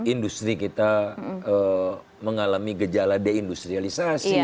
industri kita mengalami gejala deindustrialisasi